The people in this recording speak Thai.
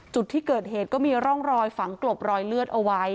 จุดที่เกิดเหตุก็มีร่องรอยฝังกลบรอยเลือดเอาไว้